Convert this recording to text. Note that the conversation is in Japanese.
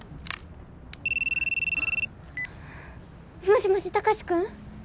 もしもし貴司君！？